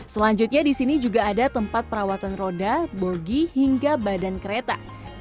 selanjutnya di sini juga ada tempat perawatan roda bogi hingga badan kereta